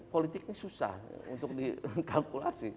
politik ini susah untuk dikalkulasi